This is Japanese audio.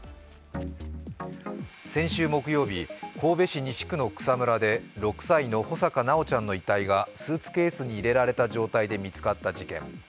先週木曜日、神戸市西区の草むらで６歳の穂坂修ちゃんの遺体がスーツケースに入れられた状態で見つかった事件。